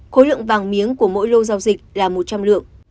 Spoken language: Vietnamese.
khối lượng vàng miếng của mỗi lô giao dịch là một trăm linh lượng